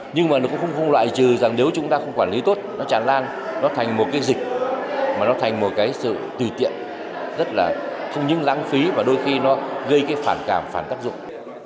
nhưng mà nó cũng không loại trừ rằng nếu chúng ta không quản lý tốt nó chản lan nó thành một cái dịch mà nó thành một cái sự tùy tiện rất là không những lãng phí và đôi khi nó gây cái phản cảm phản tác dụng